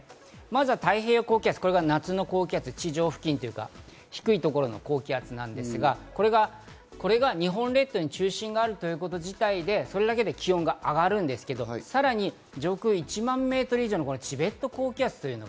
まずは太平洋高気圧、これが夏の高気圧、地上付近、低いところの高気圧なんですが、これが日本列島に中心があるということ自体で、それだけで気温が上がるんですけど、さらに上空１万メートル以上のチベット高気圧。